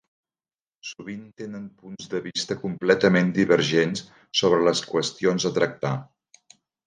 Sovint tenen punts de vista completament divergents sobre les qüestions a tractar.